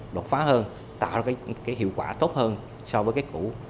đột phá hơn tạo ra cái hiệu quả tốt hơn so với cái cũ